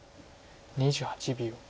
２８秒。